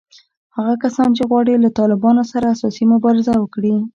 هغه کسان چې غواړي له طالبانو سره اساسي مبارزه وکړي